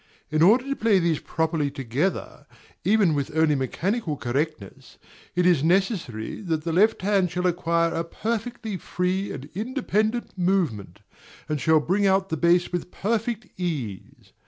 In order to play these properly together, even with only mechanical correctness, it is necessary that the left hand shall acquire a perfectly free and independent movement, and shall bring out the bass with perfect ease.